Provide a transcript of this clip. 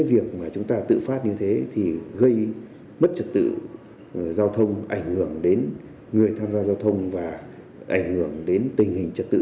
và ảnh hưởng đến tình hình trật tự